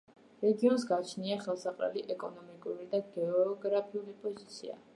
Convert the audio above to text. რეგიონს გააჩნია ხელსაყრელი ეკონომიკური და გეოგრაფიული პოზიცია.